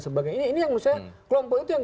sebagainya ini yang menurut saya kelompok itu yang